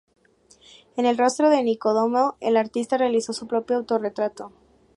En el rostro de Nicodemo el artista realizó su propio autorretrato.